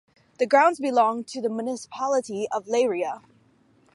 The grounds belong to the Municipality of Leiria.